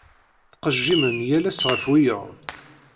Ttqejjimen yal ass ɣef wiyaḍ.